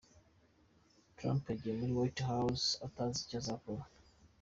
Trump yagiye muri White House atazi icyo azakora.